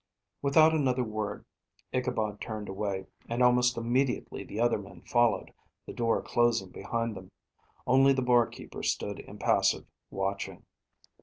Without another word Ichabod turned away, and almost immediately the other men followed, the door closing behind them. Only the bar keeper stood impassive, watching.